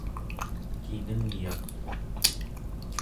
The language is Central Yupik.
kinengyak